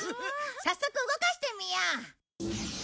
早速動かしてみよう。